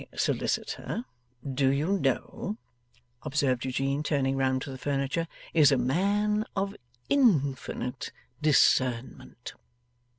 'My solicitor, do you know,' observed Eugene, turning round to the furniture, 'is a man of infinite discernment!